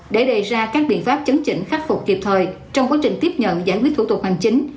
để đề ra các biện pháp chấn chỉnh khắc phục kịp thời trong quá trình tiếp nhận giải quyết thủ tục hành chính